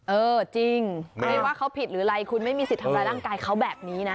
เออจริงไม่ว่าเขาผิดหรืออะไรคุณไม่มีสิทธิ์ทำร้ายร่างกายเขาแบบนี้นะ